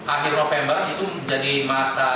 akhir november itu menjadi masa